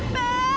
bibi udah capek